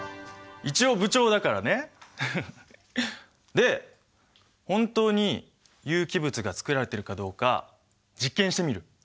で本当に有機物が作られてるかどうか実験してみる？